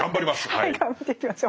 はい頑張っていきましょう。